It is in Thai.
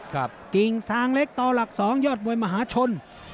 กิ่งซางเล็กต่อหลักสองยอดมวยมหาชน